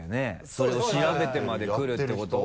それを調べてまで来るっていうことは。